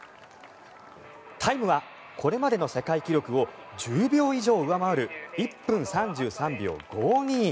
タイムはこれまでの世界記録を１０秒以上上回る１分３３秒５２。